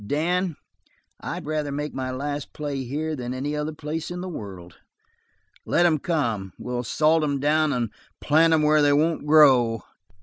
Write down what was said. Dan, I'd rather make my last play here than any other place in the world. Let 'em come! We'll salt them down and plant them where they won't grow."